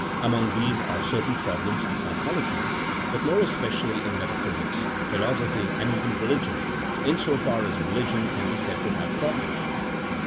Among these are certain problems in psychology, but more especially in metaphysics, philosophy and even reUgion, insofar as reUgion can be said to have problems.